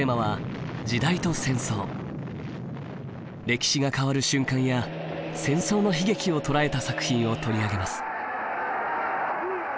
歴史が変わる瞬間や戦争の悲劇を捉えた作品を取り上げます。